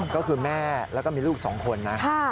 ก็คือแม่แล้วก็มีลูก๒คนนะ